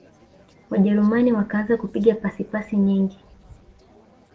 wajerumani wakaanza kupiga pasi pasi nyingi